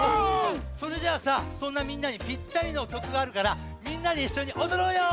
それじゃあさそんなみんなにぴったりのきょくがあるからみんなでいっしょにおどろうよ！